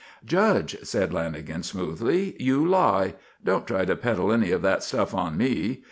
"Judge," said Lanagan, smoothly, "you lie. Don't try to peddle any of that stuff on me.